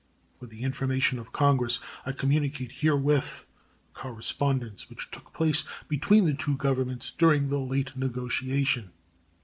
For the information of Congress, I communicate herewith the correspondence which took place between the two Governments during the late negotiation.